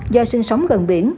do sinh sống gần biển